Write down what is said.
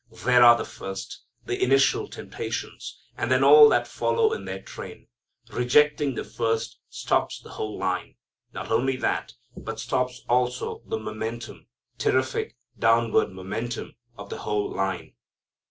There are the first, the initial temptations, and then all that follow in their train. Rejecting the first stops the whole line. Not only that, but stops also the momentum, terrific, downward momentum of the whole line.